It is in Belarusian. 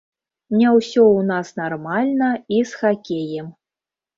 Не ўсё у нас нармальна і з хакеем.